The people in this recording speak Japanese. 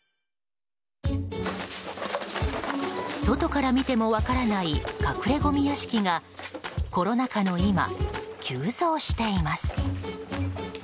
外から見ても分からない隠れごみ屋敷がコロナ禍の今、急増しています。